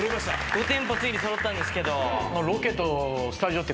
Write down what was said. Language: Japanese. ５店舗ついに揃ったんですけど。